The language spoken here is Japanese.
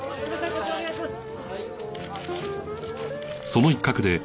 こっちお願いします！